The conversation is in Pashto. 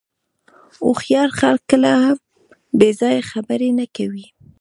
هوښیار خلک کله هم بې ځایه خبرې نه کوي.